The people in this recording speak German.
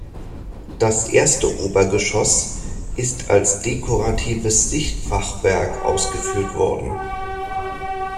Das erste Obergeschoss ist als dekoratives Sichtfachwerk ausgeführt worden.